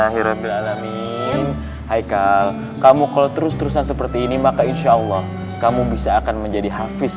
hai hai hai kamu kalau terus terusan seperti ini maka insyaallah kamu bisa akan menjadi hafiz